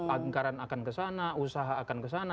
angkaran akan kesana usaha akan kesana